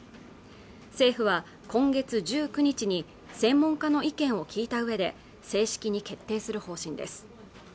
政府は今月１９日に専門家の意見を聞いたうえで正式に決定する方針です